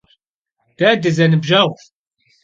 De dızenıbjeğuş.